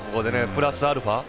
プラスアルファ。